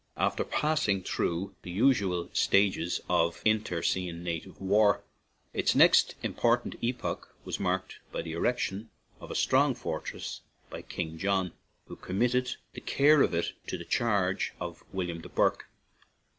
Af ter passing through the usual stages of intestine native war, its next important epoch was marked by the erection of a strong fortress by King John, who com mitted the care of it to the charge of Will iam de Burgh.